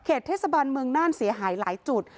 เทศบาลเมืองน่านเสียหายหลายจุด